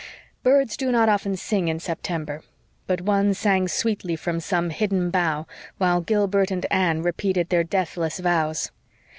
Birds do not often sing in September, but one sang sweetly from some hidden bough while Gilbert and Anne repeated their deathless vows.